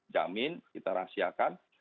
jamin kita rahasiakan